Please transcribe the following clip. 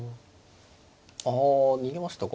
あ逃げましたか。